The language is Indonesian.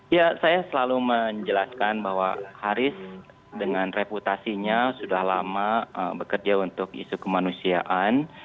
ya saya selalu menjelaskan bahwa haris dengan reputasinya sudah lama bekerja untuk isu kemanusiaan